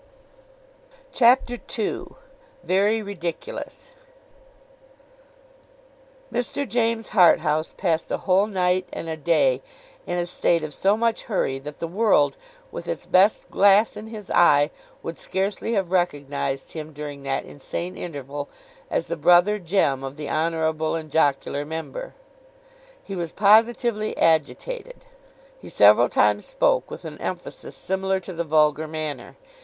CHAPTER II VERY RIDICULOUS MR. JAMES HARTHOUSE passed a whole night and a day in a state of so much hurry, that the World, with its best glass in his eye, would scarcely have recognized him during that insane interval, as the brother Jem of the honourable and jocular member. He was positively agitated. He several times spoke with an emphasis, similar to the vulgar manner.